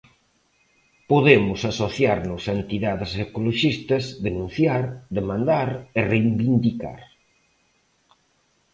Podemos asociarnos a entidades ecoloxistas, denunciar, demandar e reivindicar.